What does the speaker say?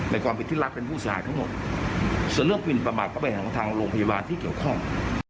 ความผิดที่รัฐเป็นผู้เสียหายทั้งหมดส่วนเรื่องหมินประมาทเข้าไปของทางโรงพยาบาลที่เกี่ยวข้อง